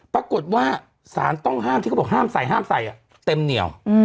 ปรากฏว่าสารต้องห้ามที่เขาบอกห้ามใส่ห้ามใส่เต็มเหนียว